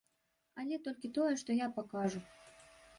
Але толькі тое, што я пакажу.